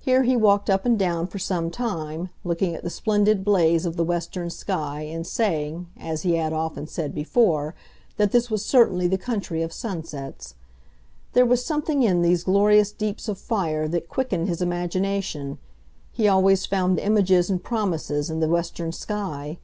Here he walked up and down for some time, looking at the splendid blaze of the western sky and saying, as he had often said before, that this was certainly the country of sunsets. There was something in these glorious deeps of fire that quickened his imagination; he always found images and promises in the western sky.